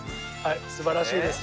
素晴らしいです。